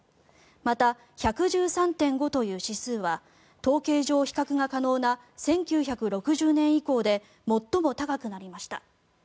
また１１３．５という指数は統計上比較が可能な１９６０年以降で最も高くなりました。